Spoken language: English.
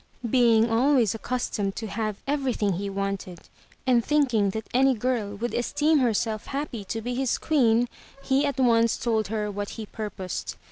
Being always accustomed to have everything he wanted, and thinking that any girl would esteem herself happy to be his Queen, he at once told her what he purposed.